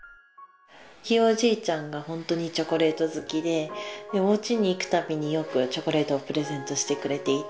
ひいおじいちゃんが本当にチョコレート好きでおうちに行く度によくチョコレートをプレゼントしてくれていて。